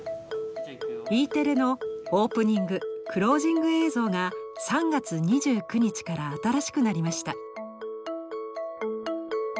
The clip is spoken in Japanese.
Ｅテレのオープニングクロージング映像が３月２９日から新しくなりました。